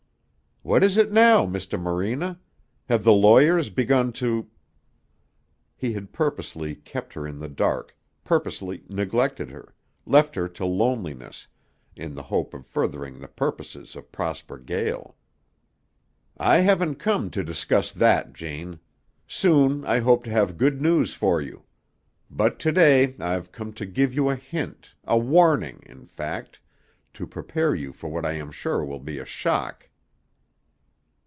"What is it now, Mr. Morena? Have the lawyers begun to " He had purposely kept her in the dark, purposely neglected her, left her to loneliness, in the hope of furthering the purposes of Prosper Gael. "I haven't come to discuss that, Jane. Soon I hope to have good news for you. But to day I've come to give you a hint a warning, in fact to prepare you for what I am sure will be a shock."